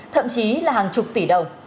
thậm chí là hàng chục tỷ đồng